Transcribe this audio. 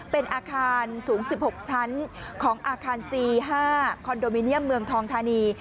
เป็นอาคารสูง๑๖ชั้นของอาคาร๔๕คอนโดมิเนียมเมืองทองธานี